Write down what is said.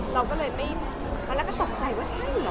เราก็เลยไม่ตอนแรกก็ตกใจว่าใช่เหรอ